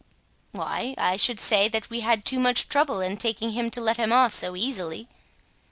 "Why, I should say that we had too much trouble in taking him to let him off so easily."